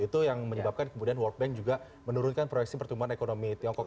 itu yang menyebabkan kemudian world bank juga menurunkan proyeksi pertumbuhan ekonomi tiongkok